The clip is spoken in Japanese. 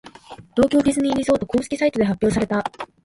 東京ディズニーリゾート公式サイトで発表された。